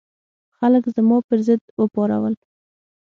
خلک زما پر ضد وپارول.